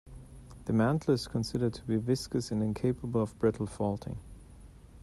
The mantle is considered to be viscous and incapable of brittle faulting.